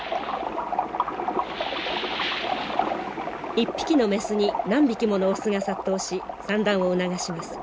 一匹のメスに何匹ものオスが殺到し産卵を促します。